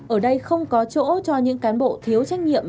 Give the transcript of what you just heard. ở đây không có chỗ cho những cán bộ thiếu trách nhiệm